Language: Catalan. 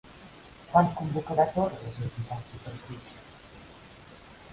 Quan convocarà Torra les entitats i partits?